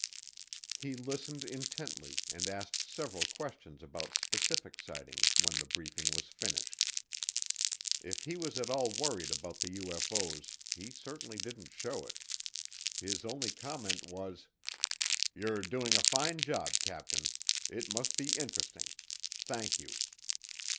He listened intently and asked several questions about specific sightings when the briefing was finished. If he was at all worried about the UFO's he certainly didn't show it. His only comment was, "You're doing a fine job, Captain. It must be interesting. Thank you."